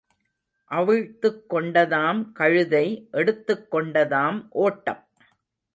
அவிழ்த்துக் கொண்டதாம் கழுதை எடுத்துக் கொண்டதாம் ஓட்டம்.